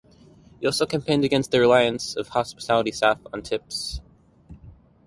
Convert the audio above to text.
He also campaigned against the reliance of hospitality staff on tips.